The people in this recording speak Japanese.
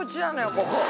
ここ。